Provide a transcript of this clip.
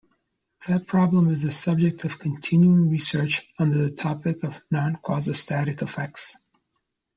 That problem is a subject of continuing research under the topic of non-quasistatic effects.